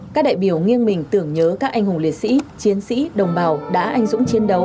các đại biểu nghiêng mình tưởng nhớ các anh hùng liệt sĩ chiến sĩ đồng bào đã anh dũng chiến đấu